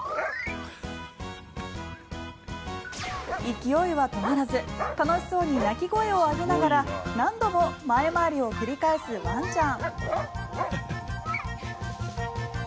勢いは止まらず楽しそうに鳴き声を上げながら何度も前回りを繰り返すワンちゃん。